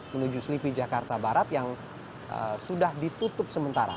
menuju selipi jakarta barat yang sudah ditutup sementara